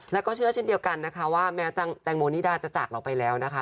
แล้วก็เชื่อเช่นเดียวกันนะคะว่าแม้แตงโมนิดาจะจากเราไปแล้วนะคะ